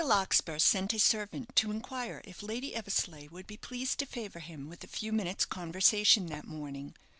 Larkspur sent a servant to inquire if Lady Eversleigh would be pleased to favour him with a few minutes' conversation that morning.